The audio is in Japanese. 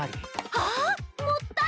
あっもったいない！